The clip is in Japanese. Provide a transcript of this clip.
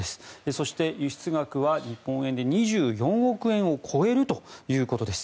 そして、輸出額は日本円で２４億円を超えるということです。